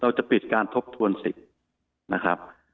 เราจะปิดการทบทวนสิทธิ์นะครับ